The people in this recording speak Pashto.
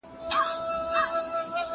زه به اوږده موده ليک لوستی وم!؟